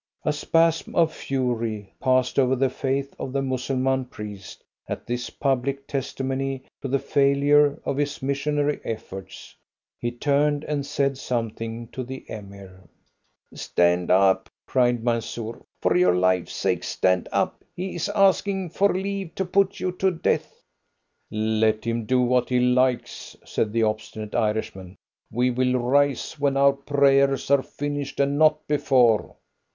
A spasm of fury passed over the face of the Mussulman priest at this public testimony to the failure of his missionary efforts. He turned and said something to the Emir. "Stand up!" cried Mansoor. "For your life's sake, stand up! He is asking for leave to put you to death." "Let him do what he likes!" said the obstinate Irishman; "we will rise when our prayers are finished, and not before."